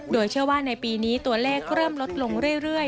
โดยเชื่อว่าในปีนี้ตัวเลขเริ่มลดลงเรื่อย